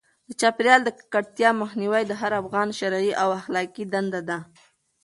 د چاپیریال د ککړتیا مخنیوی د هر افغان شرعي او اخلاقي دنده ده.